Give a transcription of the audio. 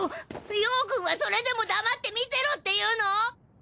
葉くんはそれでも黙って見てろっていうの！？